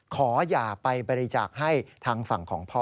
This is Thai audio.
ขออย่าไปบริจาคให้ทางฝั่งของพ่อ